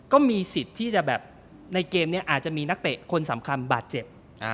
ก็มีสิทธิ์ที่จะแบบในเกมนี้อาจจะมีนักเตะคนสำคัญบาดเจ็บ